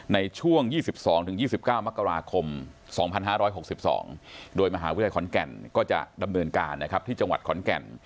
ในช่วง๒๒๒๙มกราคม๒๕๖๒โดยมหาวิทยาลัยขอนแก่นก็จะดำเนินการนะครับที่จังหวัดขอนแก่น